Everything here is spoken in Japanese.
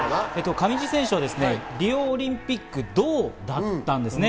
上地選手はリオオリンピックで銅メダルだったんですね。